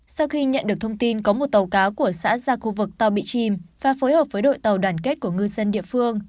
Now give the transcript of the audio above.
sau khi nhận được thông tin có một tàu cá của xã ra khu vực tàu bị chìm và phối hợp với đội tàu đoàn kết của ngư dân địa phương